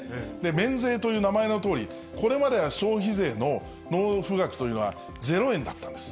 免税という名前のとおり、これまでは消費税の納付額というのがゼロ円だったんです。